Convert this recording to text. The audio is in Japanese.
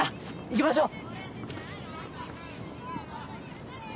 いきましょう！